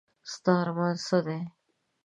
ستا ارمان څه دی ؟